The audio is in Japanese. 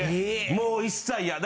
もう一切嫌。